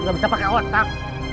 nggak bisa pakai otak